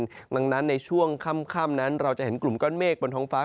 ดังนั้นในช่วงค่ำนั้นเราจะเห็นกลุ่มก้อนเมฆบนท้องฟ้า